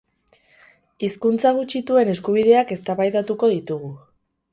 Hizkuntza gutxituen eskubideak eztabaidatuko ditugu.